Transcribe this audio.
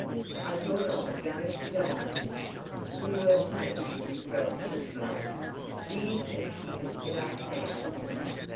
I thought I was going to die." "You were faint," Ralph exclaimed. "Do you think you can sit up now?"